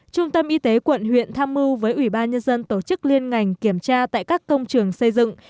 trung tâm y tế quận huyện tham mưu với ủy ban nhân dân tổ chức liên ngành kiểm tra tại các công trường xây dựng